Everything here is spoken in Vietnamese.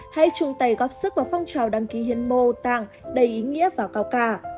hay chung tay góp sức vào phong trào đăng ký hiến mô tạng đầy ý nghĩa và cao ca